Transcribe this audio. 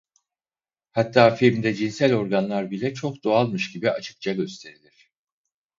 Hatta filmde cinsel organlar bile çok doğalmış gibi açıkça gösterilir.